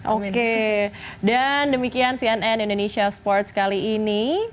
oke dan demikian cnn indonesia sports kali ini